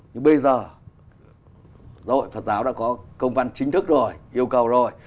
nhưng bây giờ giáo hội phật giáo đã có công văn chính thức rồi yêu cầu rồi